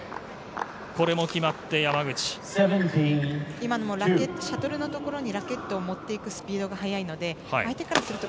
今のもシャトルのところにラケットを持っていくスピードが速いので相手からすると